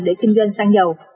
để kinh doanh xăng dầu